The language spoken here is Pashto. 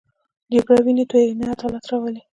جګړه وینې تویوي، نه عدالت راولي